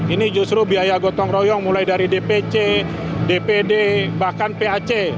ini justru biaya gotong royong mulai dari dpc dpd bahkan pac